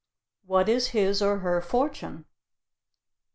What is his or her fortune?